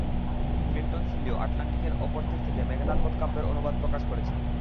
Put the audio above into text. Clinton সিলিও আটলান্টিকের অপর তীর থেকে মেঘনাদবধ কাব্যের অনুবাদ প্রকাশ করেছেন।